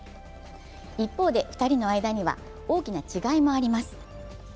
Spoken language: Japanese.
一方で、２人の間には大きな違いもあります。